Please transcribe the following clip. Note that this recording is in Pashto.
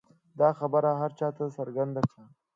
دا خبره هر چا ته څرګنده ده.